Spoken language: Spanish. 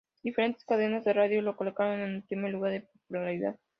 Diferentes cadenas de rádio la colocaron en el primer lugar de popularidad.